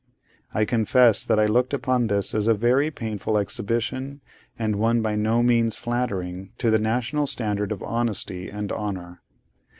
I confess that I looked upon this as a very painful exhibition, and one by no means flattering to the national standard of honesty and honour.